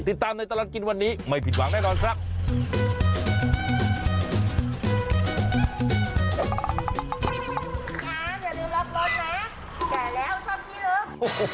ติดตามในตลอดกินวันนี้ไม่ผิดหวังแน่นอนครับ